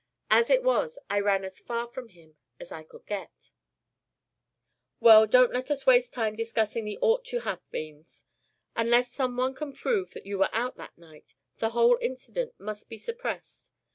As it was, I ran as far from him as I could get " "Well, don't let us waste time discussing the ought to have beens. Unless some one can prove that you were out that night, the whole incident must be suppressed.